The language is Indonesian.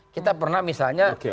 kita pernah misalnya